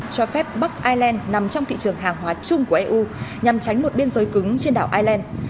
cho phép bắc ireland nằm trong thị trường hàng hóa chung của eu nhằm tránh một biên giới cứng trên đảo ireland